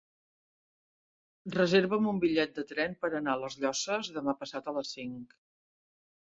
Reserva'm un bitllet de tren per anar a les Llosses demà passat a les cinc.